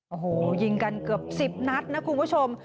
โอ้โหยิงกันเกือบ๑๐นัดนะคุณผู้ชม